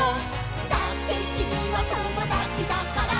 「だってきみはともだちだから」